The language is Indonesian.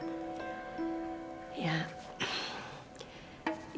ibu juga minta maaf kalau selama ini